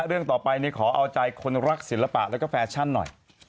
เรื่องต่อไปขอเอาใจคนรักศิลปะแล้วก็แฟชั่นหน่อย